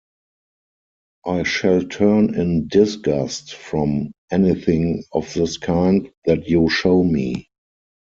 I shall turn in disgust from anything of this kind that you show me.